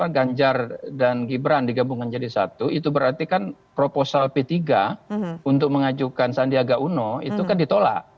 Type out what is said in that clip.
ganjar dan gibran digabungkan jadi satu itu berarti kan proposal p tiga untuk mengajukan sandiaga uno itu kan ditolak